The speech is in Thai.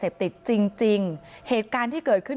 ทรัพย์สมบัติที่มีก็มีแค่ทรัพย์สาวแม่หน่อยได้ไหม